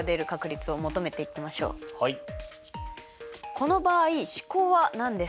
この場合試行は何ですか？